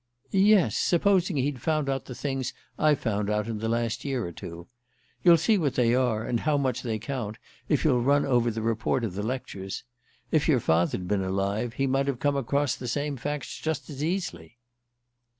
"Yes: supposing he'd found out the things I've found out in the last year or two. You'll see what they are, and how much they count, if you'll run over the report of the lectures. If your father'd been alive he might have come across the same facts just as easily."